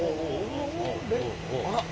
あっ。